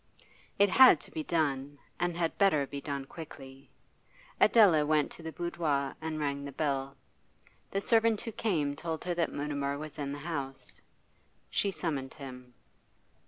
It had to be done, and had better be done quickly. Adela went to her boudoir and rang the bell. The servant who came told her that Mutimer was in the house. She summoned him.